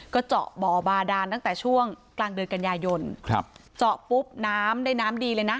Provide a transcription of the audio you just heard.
ก็เจาะบ่อบาดานตั้งแต่ช่วงกลางเดือนกันยายนครับเจาะปุ๊บน้ำได้น้ำดีเลยนะ